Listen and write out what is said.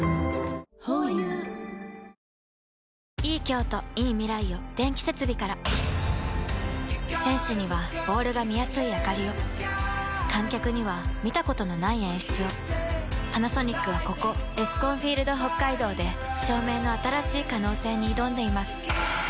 ｈｏｙｕ選手にはボールが見やすいあかりを観客には見たことのない演出をパナソニックはここエスコンフィールドＨＯＫＫＡＩＤＯで照明の新しい可能性に挑んでいます